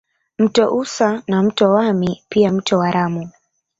Mto Usa na mto Wami pia mto Waramu